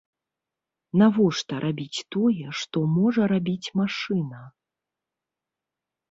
Навошта рабіць тое, што можа рабіць машына?